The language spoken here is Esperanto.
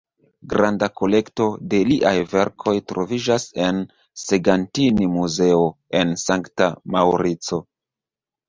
Granda kolekto de liaj verkoj troviĝas en Segantini-muzeo en Sankta Maŭrico.